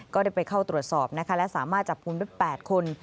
ก็ได้ไปเข้าตรวจสอบนะคะและสามารถจับกลุ่มได้๘คน